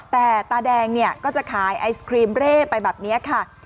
แต่ตาแดงเนี่ยก็จะขายไอศครีมเร่ไปแบบนี้ค่ะ